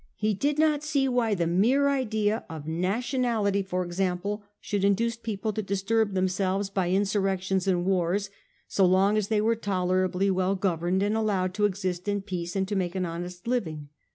He did not see why the mere idea of nationality, for example, should, induce people to disturb themselves by insurrections and wars, so long as they were tolerably well governed, and allowed to exist in peace and to make an honest living.